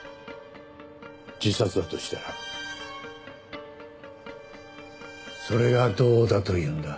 自殺だとしたらそれがどうだと言うんだ。